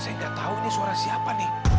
saya gak tau ini suara siapa nih